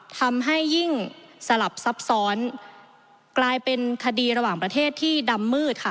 ทำให้ยิ่งสลับซับซ้อนกลายเป็นคดีระหว่างประเทศที่ดำมืดค่ะ